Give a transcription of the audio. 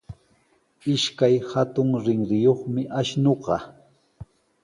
Ishkay hatun rinriyuqmi ashnuqa.